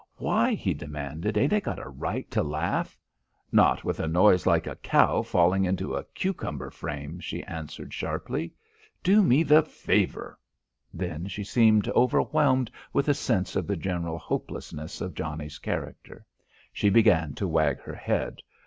"Why?" he demanded. "Ain't I got a right to laugh?" "Not with a noise like a cow fallin' into a cucumber frame," she answered sharply. "Do me the favour " Then she seemed overwhelmed with a sense of the general hopelessness of Johnnie's character. She began to wag her head.